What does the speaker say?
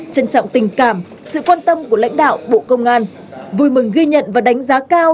trân trọng tình cảm sự quan tâm của lãnh đạo bộ công an vui mừng ghi nhận và đánh giá cao